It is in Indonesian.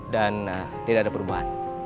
dan tidak ada perubahan